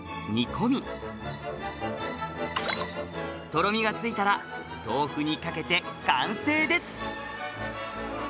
とろみがついたら豆腐にかけて完成です！